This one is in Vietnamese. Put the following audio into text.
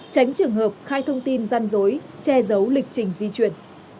tránh trường hợp khai thông tin gian dối che giấu lịch trình di chuyển